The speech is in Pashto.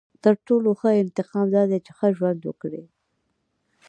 • تر ټولو ښه انتقام دا دی چې ښه ژوند وکړې.